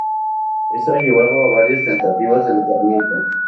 Esto ha llevado a varias tentativas de mejoramiento.